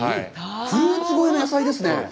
フルーツ超えの野菜ですね。